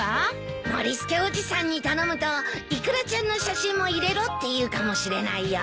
ノリスケおじさんに頼むとイクラちゃんの写真も入れろって言うかもしれないよ。